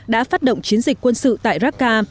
đã phát động chiến dịch quân sự tại chiraka